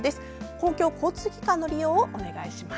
公共交通機関の利用をお願いします。